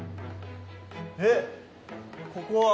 えっここは？